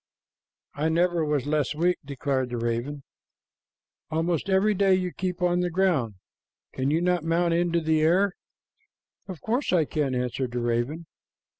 "I never was less weak," declared the raven. "Almost every day you keep on the ground. Can you not mount into the air?" "Of course I can," answered the raven.